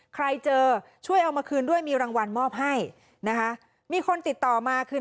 ใครเจอช่วยเอามาคืนด้วยมีรางวัลมอบให้นะคะมีคนติดต่อมาคือ